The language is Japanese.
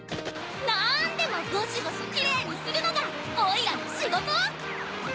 なんでもゴシゴシキレイにするのがオイラのしごと！